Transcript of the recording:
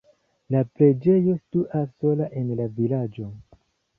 La preĝejo situas sola en la vilaĝo.